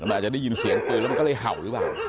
มันอาจจะได้ยินเสียงปืนแล้วมันก็เลยเห่าหรือเปล่า